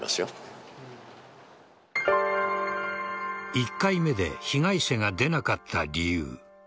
１回目で被害者が出なかった理由